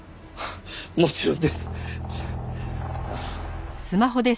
もちろんです！